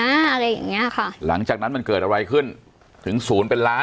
อะไรอย่างเงี้ยค่ะหลังจากนั้นมันเกิดอะไรขึ้นถึงศูนย์เป็นล้าน